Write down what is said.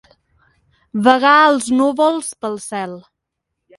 Vagar els núvols pel cel.